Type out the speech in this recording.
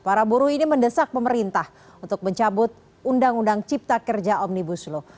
para buruh ini mendesak pemerintah untuk mencabut undang undang cipta kerja omnibus law